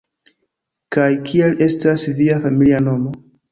Kaj kiel estas via familia nomo?